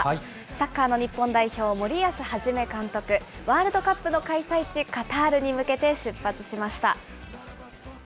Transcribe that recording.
サッカーの日本代表、森保一監督、ワールドカップの開催地、カタールに向けて出発しました。